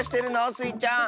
スイちゃん。